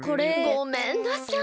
ごめんなさい！